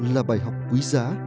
là bài học quý giá